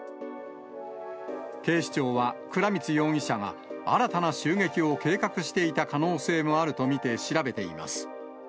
警視庁は、倉光容疑者が新たな襲撃を計画していた可能性もあると見て調べています。